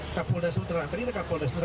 kapolda sudara tadi kapolda sudara